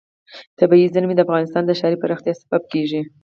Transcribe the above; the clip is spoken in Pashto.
طبیعي زیرمې د افغانستان د ښاري پراختیا سبب کېږي.